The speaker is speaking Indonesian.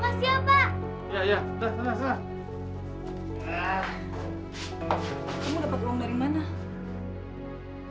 kamu dapat uang dari mana